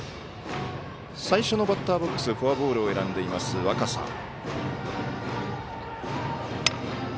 最初のバッターボックスフォアボールを選んでいる若狭。